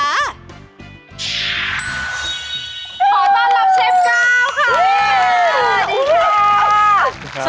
ขอต้อนรับเชฟก้าวค่ะ